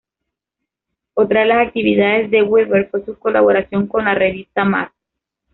Otra de las actividades de Weaver fue su colaboración con la "revista Mad".